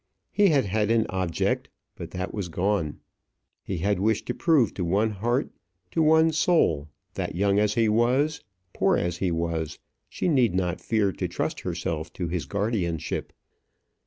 He had had an object; but that was gone. He had wished to prove to one heart, to one soul, that, young as he was, poor as he was, she need not fear to trust herself to his guardianship.